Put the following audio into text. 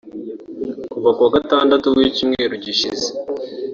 Kuva kuwa Gatandatu w’icyumweru gishize